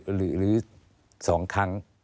หรือ๒ครั้ง